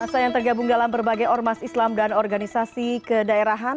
masa yang tergabung dalam berbagai ormas islam dan organisasi kedaerahan